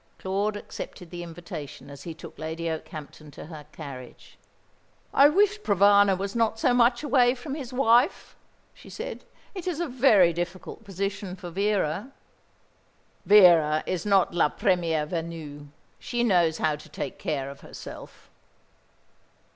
Claude accepted the invitation as he took Lady Okehampton to her carriage. "I wish Provana were not so much away from his wife," she said. "It is a very difficult position for Vera." "Vera is not la première venue. She knows how to take care of herself."